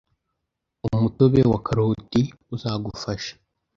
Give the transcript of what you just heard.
umutobe wa karoti uzagufasha